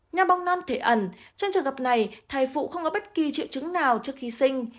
nhò bong non thể ẩn trong trường hợp này thai phụ không có bất kỳ triệu chứng nào trước khi sinh